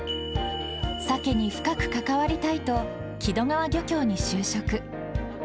サケに深く関わりたいと、木戸川漁協に就職。